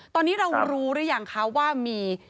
ตอนนี้เรารู้หรือยังคะว่ามี